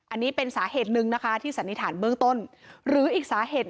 อันนี้เป็นสาเหตุหนึ่งนะคะที่สันนิษฐานเบื้องต้นหรืออีกสาเหตุ